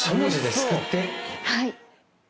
はい。